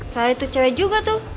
saya itu cewek juga tuh